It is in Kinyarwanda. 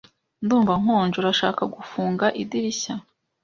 Ndumva nkonje. Urashaka gufunga idirishya